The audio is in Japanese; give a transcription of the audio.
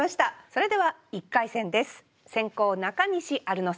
それでは１回戦です。